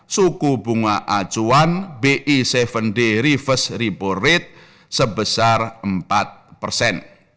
suku bunga acuan bi tujuh day reverse rebo rate sebesar empat persen